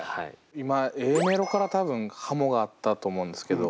今Ａメロから多分ハモがあったと思うんですけど